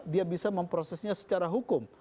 dia bisa memprosesnya secara hukum